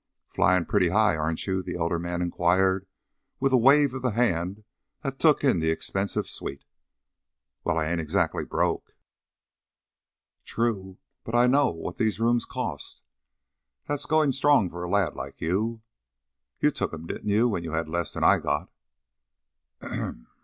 "Flying pretty high, aren't you?" the elder man inquired, with a wave of the hand that took in the expensive suite. "Well, I ain't exactly broke." "True. But I know what these rooms cost. That's going strong for a lad like you." "You took 'em, didn't you, when you had less 'n I got?"